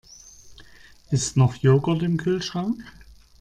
Ist noch Joghurt im Kühlschrank?